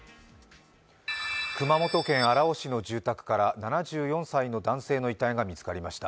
熊本県荒尾市の住宅から７４歳の男性の遺体が見つかりました。